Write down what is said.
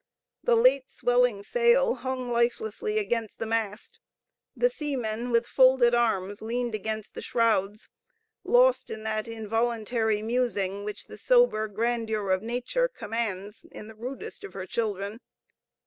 The late swelling sail hung lifelessly against the mast; the seamen, with folded arms, leaned against the shrouds, lost in that involuntary musing which the sober grandeur of nature commands in the rudest of her children.